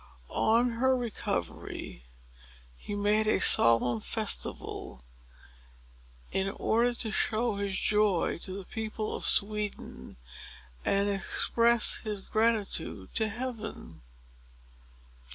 On her recovery, he made a solemn festival, in order to show his joy to the people of Sweden and express his gratitude to Heaven.